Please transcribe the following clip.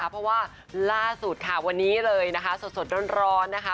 เพราะว่าล่าสุดค่ะวันนี้เลยนะคะสดร้อนนะคะ